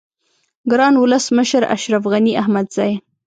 گران ولس مشر اشرف غنی احمدزی